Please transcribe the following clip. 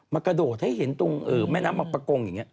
มากระโดดให้เห็นตรงแม่น้ำมะปะโกง